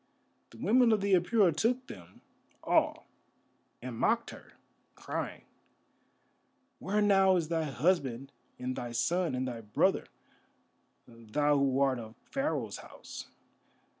The women of the Apura took them all and mocked her, crying: "Where now is thy husband and thy son and thy brother, thou who art of Pharaoh's house?